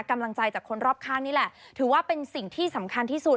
กำลังใจจากคนรอบข้างนี่แหละถือว่าเป็นสิ่งที่สำคัญที่สุด